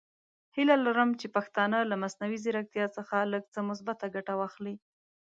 هیله لرم چې پښتانه له مصنوعي زیرکتیا څخه لږ څه مثبته ګټه واخلي.